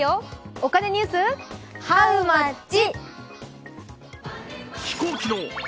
お金ニュース、ハウマッチ。